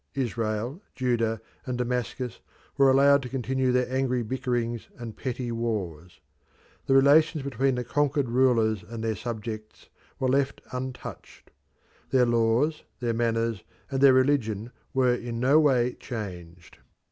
Israel, Judah, and Damascus were allowed to continue their angry bickerings and petty wars. The relations between the conquered rulers and their subjects were left untouched. Their laws, their manners, and their religion were in no way changed.